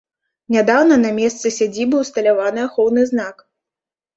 Нядаўна на месцы сядзібы ўсталяваны ахоўны знак.